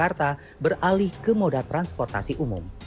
jakarta beralih ke moda transportasi umum